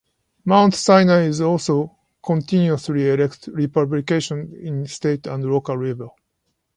Mount Sinai also continuously elects Republicans on the state and local level.